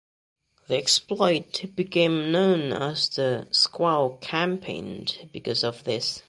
The exploit became known as "The Squaw Campaign" because of this.